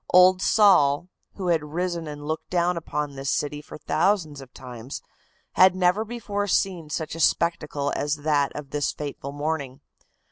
Old Sol, who had risen and looked down upon this city for thousands of times, had never before seen such a spectacle as that of this fateful morning.